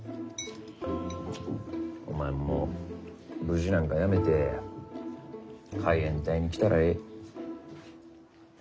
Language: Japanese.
お前も武士なんかやめて海援隊に来たらええ。